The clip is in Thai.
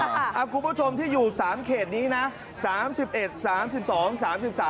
คุณผู้ชมที่อยู่๓เขตนี้นะ